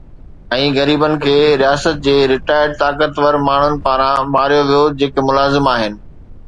۽ غريبن کي رياست جي ريٽائرڊ طاقتور ماڻهن پاران ماريو ويو جيڪي ملازم آهن